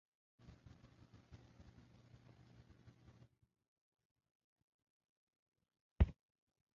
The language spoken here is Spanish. Al final hay una colmatación de arcillas.